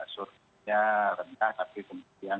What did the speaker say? suruhnya rendah tapi kemudian